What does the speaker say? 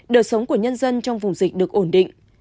đời sống của nhân dân trong vùng dịch được ổn định